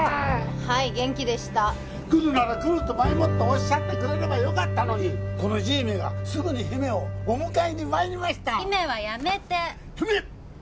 はい元気でした来るなら来ると前もっておっしゃってくれればよかったのにこの爺めがすぐに姫をお迎えにまいりました姫はやめて姫！